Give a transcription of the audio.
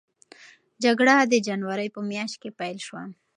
جګړه د جنورۍ په میاشت کې پیل شوه.